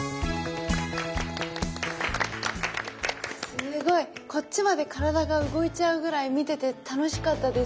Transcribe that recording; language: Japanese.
すごいこっちまで体が動いちゃうぐらい見てて楽しかったです。